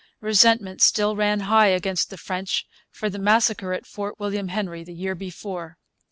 Resentment still ran high against the French for the massacre at Fort William Henry the year before.